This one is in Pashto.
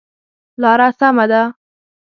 لاره سمه ده؟